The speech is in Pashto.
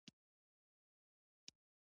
ده ته زيان ورسوي.